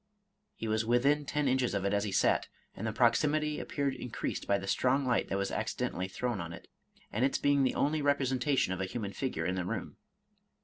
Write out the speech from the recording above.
He was within ten inches of it as he sat, and the proximity ap peared increased by the strong light that was accidentally thrown on it, and its being the only representation of a human figure in the room.